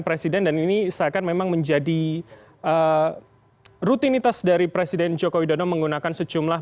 presiden dan ini seakan memang menjadi rutinitas dari presiden joko widodo menggunakan sejumlah